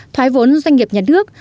thoái vốn doanh nghiệp nhà nước